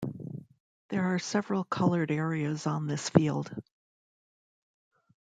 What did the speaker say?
There are several colored areas on this field.